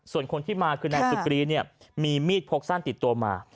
ส่วนคนที่มาคือนายสุกรีเนี่ยมีมีดพกสั้นติดตัวมา